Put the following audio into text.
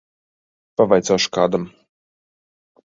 Pavaicāšu kādam.